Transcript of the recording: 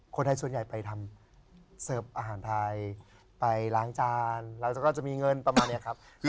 คนไทยส่วนใหญ่ไปทำเสิร์ฟอาหารไทยไปล้างจานแล้วก็จะมีเงินประมาณนี้ครับ